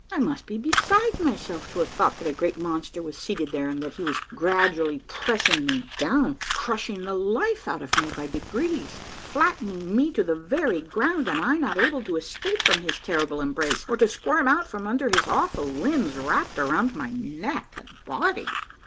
I must be beside myself to have thought that a great monster was seated there and that he was gradually 194 A MARVELLOUS UNDERGROUND JOURNEY pressing me down, crushing the life out of me by degrees, flat tening me to the very ground, and I not able to escape from his terrible embrace or to squirm out from under his awful limbs wrapt around my neck and body